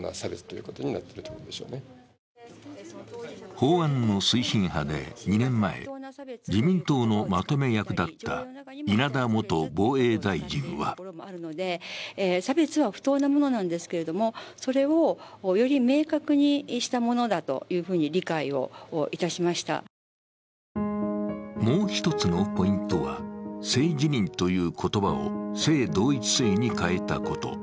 法案の推進派で２年前、自民党のまとめ役だった稲田元防衛大臣はもう一つのポイントは、性自認という言葉を性同一性に変えたこと。